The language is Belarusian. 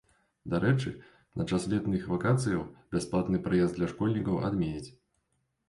Дарэчы, на час летніх вакацыяў бясплатны праезд для школьнікаў адменяць.